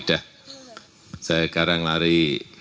saya sekarang lari